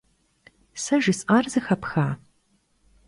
Se jjıs'ar zexepxa?